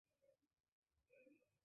আর ওর চোখ দেখেই বুঝেছি, সে মা ভক্ত ছেলে।